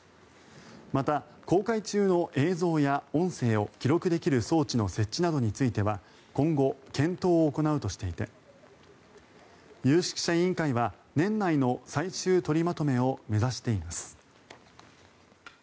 また、航海中の映像や音声を記録できる装置の設置などについては今後、検討を行うとしていて有識者委員会は年内の最終取りまとめを目指しています。